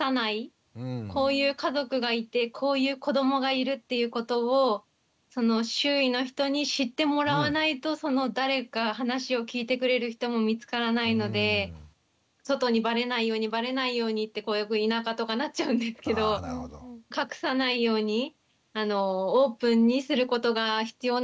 こういう家族がいてこういう子どもがいるっていうことを周囲の人に知ってもらわないとその誰か話を聞いてくれる人も見つからないので外にバレないようにバレないようにって田舎とかなっちゃうんですけど隠さないようにオープンにすることが必要なのかなと感じました。